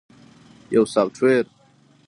- یو سافټویر 📦